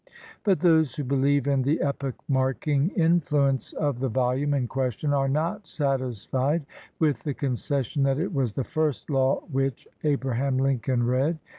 But those who believe in the epoch marking influence of the volume in question are not satis fied with the concession that it was the first law which Abraham Lincoln read.